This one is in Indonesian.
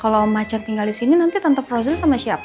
kalau om acan tinggal di sini nanti tante frozen juga akan pulang